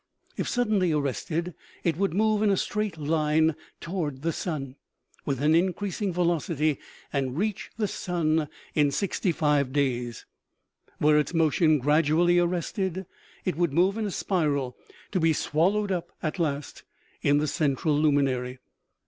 If sud denly arrested it would move in a straight line toward the sun, with an, increasing velocity, and reach the sun in sixty five days ; were its motion gradually arrested, it would move in a spiral, to be swallowed up, at last, in the central luminary.